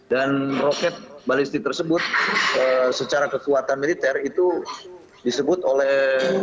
dan roket balistik tersebut secara kekuatan militer itu disebut oleh